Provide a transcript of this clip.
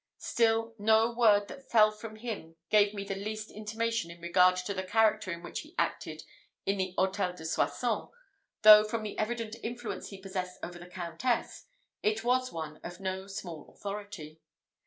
Still, no word that fell from him gave me the least intimation in regard to the character in which he acted in the Hôtel de Soissons, though, from the evident influence he possessed over the Countess, it was one of no small authority.